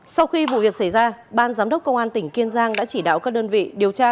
sau khi vụ việc xảy ra ban giám đốc công an tỉnh kiên giang đã chỉ đạo các đơn vị điều tra